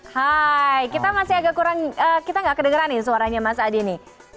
hai kita masih agak kurang kita nggak kedengeran nih suaranya mas adi nih